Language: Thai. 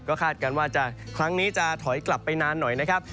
คาดการณ์ว่าครั้งนี้จะถอยกลับไปนานหน่อยนะครับ